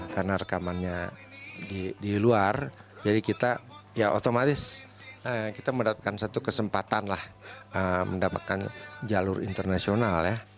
karena rekamannya di luar jadi kita ya otomatis kita mendapatkan satu kesempatan lah mendapatkan jalur internasional ya